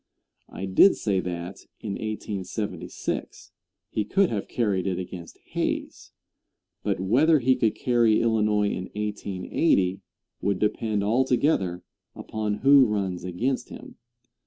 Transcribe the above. I did say that in 1876, he could have carried it against Hayes; but whether he could carry Illinois in 1880 would depend altogether upon who runs against him.